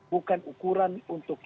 bukan ukuran untuk